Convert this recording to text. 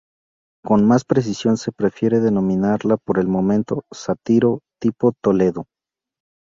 Con más precisión se prefiere denominarla por el momento "Sátiro tipo Toledo".